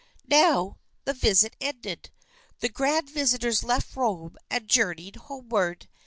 Now, the visit ended; the grand visitors left Rome and journeyed homeward.